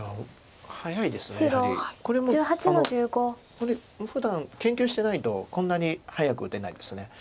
これもふだん研究してないとこんなに早く打てないです。